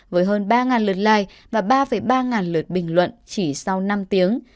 với hơn ba lượt like và ba ba lượt bình luận chỉ sau năm tiếng